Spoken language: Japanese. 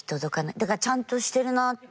だからちゃんとしてるなって。